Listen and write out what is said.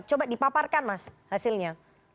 coba dipaparkan mas hasilnya